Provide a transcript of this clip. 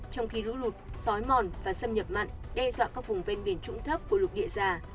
trong khi rủi rụt sói mòn và xâm nhập mặn đe dọa các vùng ven biển trũng thấp của lục địa già